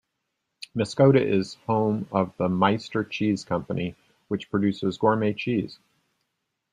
Muscoda is home of the Meister Cheese Company, which produces gourmet cheese.